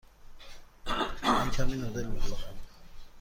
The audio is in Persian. من کمی نودل می خورم.